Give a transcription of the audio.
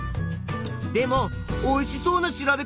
でもおいしそうな調べ方。